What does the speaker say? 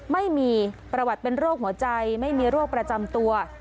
ไม่มีประวัติเป็นโรคหัวใจไม่มีโรคประจำตัว